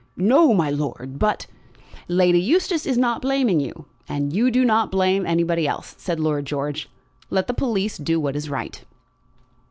"No, my lord; but " "Lady Eustace is not blaming you, and do not you blame anybody else," said Lord George. "Let the police do what is right."